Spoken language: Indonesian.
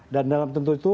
dan dalam tentu itu